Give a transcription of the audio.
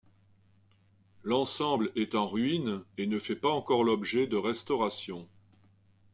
L'ensemble est en ruine et ne fait pas encore l'objet de restaurations.